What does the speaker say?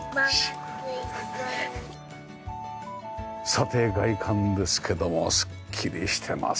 さて外観ですけどもすっきりしてますね。